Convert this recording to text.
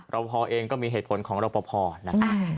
รับพอเองก็มีเหตุผลของรับพอนะครับ